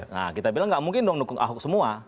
nah kita bilang gak mungkin dong dukung ahok semua